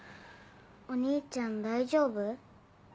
お兄ちゃん大丈夫？